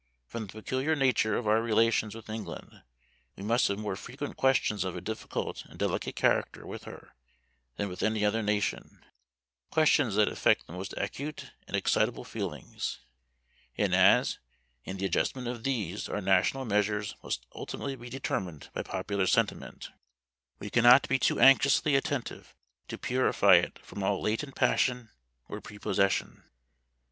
From the peculiar nature of our relations with England, we must have more frequent questions of a difficult and delicate character with her, than with any other nation, questions that affect the most acute and excitable feelings: and as, in the adjustment of these, our national measures must ultimately be determined by popular sentiment, we cannot be too anxiously attentive to purify it from all latent passion or prepossession.